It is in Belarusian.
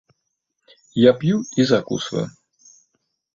Я п'ю і закусваю.